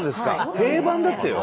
定番だってよ。